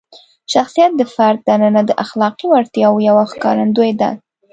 شخصیت د فرد دننه د اخلاقي وړتیاوو یوه ښکارندویي ده.